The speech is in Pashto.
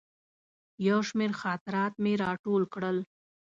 یو شمېر خاطرات مې راټول کړل.